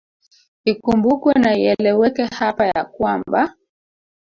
Ikumbukwe na ieleweke hapa ya kwamba